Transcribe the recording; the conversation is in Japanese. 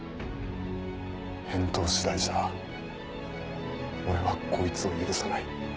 返答次第じゃ俺はこいつを許さない。